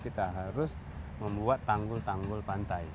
kita harus membuat tanggul tanggul pantai